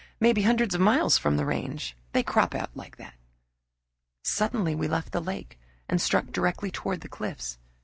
"May be hundreds of miles from the range. They crop out like that." Suddenly we left the lake and struck directly toward the cliffs.